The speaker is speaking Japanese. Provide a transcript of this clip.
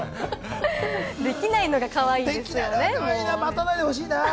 できないのがかわいいですよね。